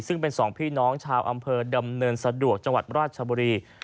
ซึ่งเป็นสองพี่น้องชาวอำเภอดำเนินสะดวกจังหวัดราชบุรี